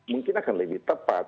mungkin akan lebih tepat